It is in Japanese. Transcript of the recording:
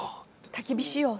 たき火しよう。